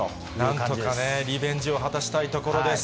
なんとかリベンジを果たしたいところです。